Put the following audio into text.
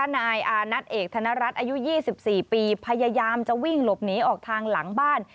นายอานัทเอกธนรัฐอายุ๒๔ปีพยายามจะวิ่งหลบหนีออกทางหลังบ้าน